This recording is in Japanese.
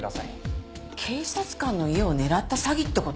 警察官の家を狙った詐欺って事？